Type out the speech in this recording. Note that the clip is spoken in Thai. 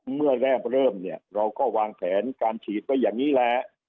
เมื่อแรกเริ่มเนี่ยเราก็วางแผนการฉีดไว้อย่างนี้แหละ